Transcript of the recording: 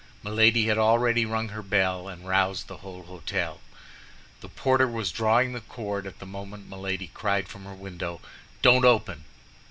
Milady had already rung her bell, and roused the whole hôtel. The porter was drawing the cord at the moment Milady cried from her window, "Don't open!"